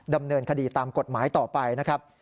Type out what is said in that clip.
ดำเนินคดีตามกฎหมายต่อไปนะครับ